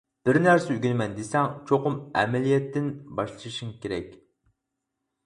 بىر نەرسە ئۆگىنىمەن دېسەڭ چوقۇم ئەمەلىيەتتىن باشلىشىڭ كېرەك.